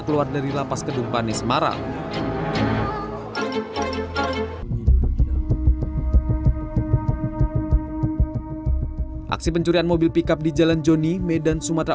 keluar dari lapas kedung pane semarang aksi pencurian mobil pickup di jalan joni medan sumatera